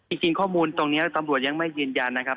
จริงข้อมูลตรงนี้ตำรวจยังไม่ยืนยันนะครับ